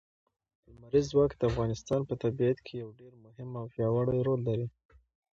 لمریز ځواک د افغانستان په طبیعت کې یو ډېر مهم او پیاوړی رول لري.